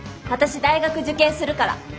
私大学受験するから。